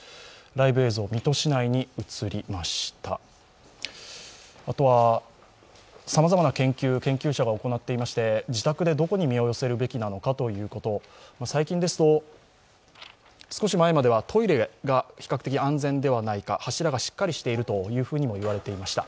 ライブ映像、水戸市内に移りましたさまざまな研究を研究者が行っていまして、自宅でどこに身を寄せるべきなのかということ少し前ですとトイレが比較的安全ではないか、柱がしっかりしているとも言われていました。